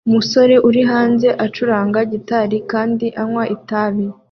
Umusore uri hanze acuranga gitari kandi anywa itabi